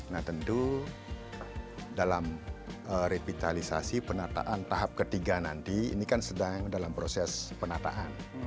nah tentu dalam revitalisasi penataan tahap ketiga nanti ini kan sedang dalam proses penataan